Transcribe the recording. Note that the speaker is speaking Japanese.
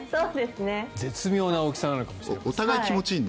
絶妙な大きさなのかもしれません。